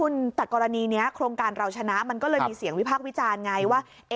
คุณแต่กรณีนี้โครงการเราชนะมันก็เลยมีเสียงวิพากษ์วิจารณ์ไงว่า